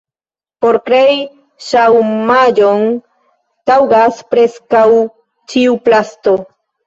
Por krei ŝaumaĵon taŭgas preskaŭ ĉiu plasto.